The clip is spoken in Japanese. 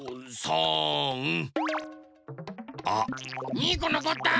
２このこった！